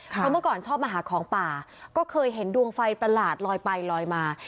เพราะเมื่อก่อนชอบมาหาของป่าก็เคยเห็นดวงไฟประหลาดลอยไปลอยมา